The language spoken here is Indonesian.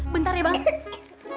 bentar ya bang